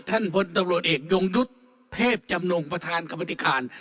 ท่านพนธพเอกยงรุทเพภยำลงประธานกรรมธิการ